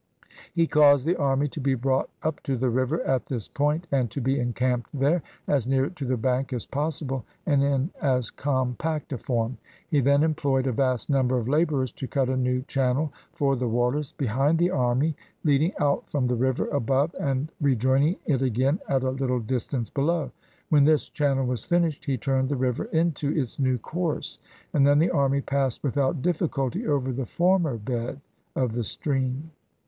He caused the army to be brought up to the river at this point, and to be encamped there, as near to the bank as possible, and in as compact a form. He then employed a vast number of laborers to cut a new channel for the waters, behind the army, leading out from the river 317 PERSIA above, and rejoining it again at a little distance below. When this channel was finished, he turned the river into its new course, and then the army passed without diffi culty over the former bed of the stream.